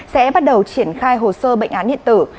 sẽ bắt đầu triển khai hồ sơ bệnh án điện tử